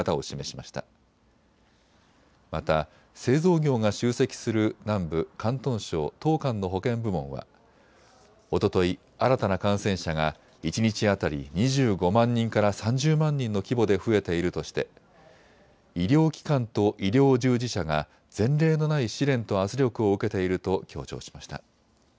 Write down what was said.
また製造業が集積する南部・広東省東莞の保健部門はおととい新たな感染者が一日当たり２５万人から３０万人の規模で増えているとして医療機関と医療従事者が前例のない試練と圧力を受けていると強調しました。